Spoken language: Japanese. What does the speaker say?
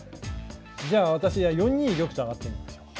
じゃあ私は４二玉と上がってみましょう。